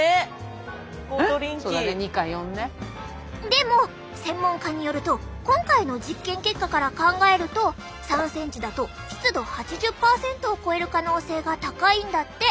でも専門家によると今回の実験結果から考ると３ｃｍだと湿度８０％を超える可能性が高いんだって！